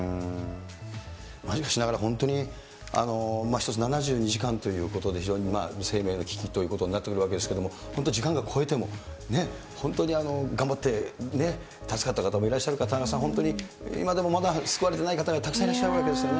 しかしながら本当に一つ、７２時間ということで、非常に生命の危機ということになってくるわけですけれども、本当、時間が超えてもね、本当に頑張って助かった方もいらっしゃる方が、本当に今までまだ救われてない方がたくさんいらっしゃるわけですよね。